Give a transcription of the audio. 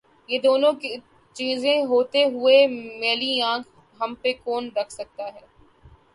یہ دونوں چیزیں ہوتے ہوئے میلی آنکھ ہم پہ کون رکھ سکتاہے؟